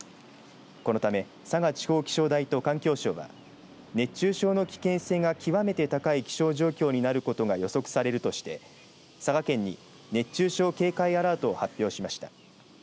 このため佐賀地方気象台と環境省は熱中症の危険性が極めて高い気象状況になることが予測されるとして佐賀県に熱中症警戒アラートを発表しました。